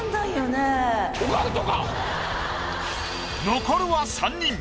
残るは三人！